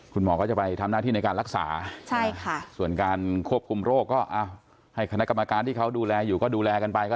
คุณหมอก็จะไปทำหน้าที่ในการรักษาส่วนการควบคุมโรคก็ให้คณะกรรมการที่เขาดูแลอยู่ก็ดูแลกันไปก็